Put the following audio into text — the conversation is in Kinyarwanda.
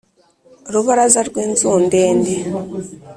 rubaraza rw'inzu ndende,